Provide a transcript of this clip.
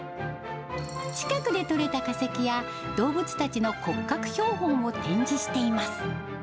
近くでとれた化石や、動物たちの骨格標本を展示しています。